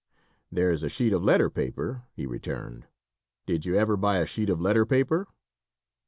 "There's a sheet of letter paper," he returned. "Did you ever buy a sheet of letter paper?"